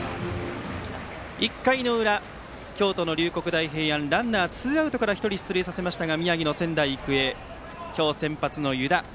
１回の裏、京都の龍谷大平安ランナー、ツーアウトから１人出塁させましたが宮城の仙台育英、今日先発の湯田。